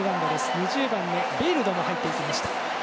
２０番のベイルドも入っていきました。